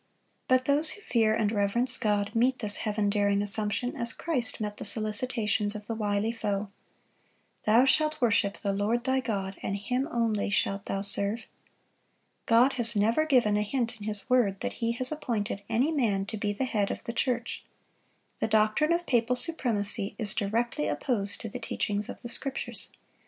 But those who fear and reverence God meet this Heaven daring assumption as Christ met the solicitations of the wily foe: "Thou shalt worship the Lord thy God, and Him only shalt thou serve."(72) God has never given a hint in His word that He has appointed any man to be the head of the church. The doctrine of papal supremacy is directly opposed to the teachings of the Scriptures.